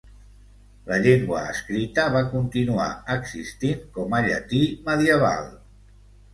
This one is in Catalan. La llengua escrita va continuar existint com a llatí medieval.